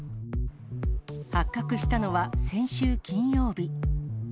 発覚したのは先週金曜日。